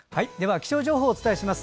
気象情報をお伝えします。